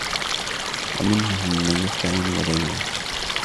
وَمِنْهُمْ مَنْ يَسْتَعِينُ وَلَا يُعِينُ